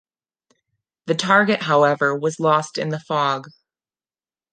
The target, however, was lost in the fog.